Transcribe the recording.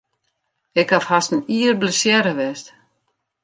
Ik haw hast in jier blessearre west.